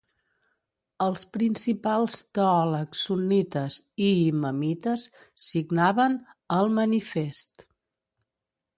Els principals teòlegs sunnites i imamites signaven el manifest.